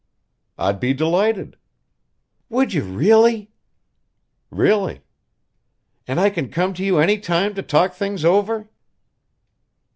"I'd be delighted." "Would you really?" "Really!" "And I can come to you any time to talk things over?"